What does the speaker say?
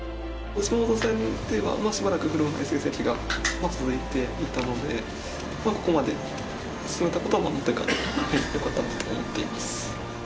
王座戦では、しばらく振るわない成績が続いていたので、ここまで進めたことは、よかったなと思っています。